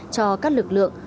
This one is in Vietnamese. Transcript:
cho các lực lượng